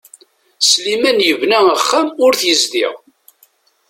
Sliman yebna axxam ur t-yezdiɣ.